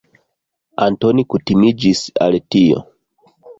Antoni kutimiĝis al tio.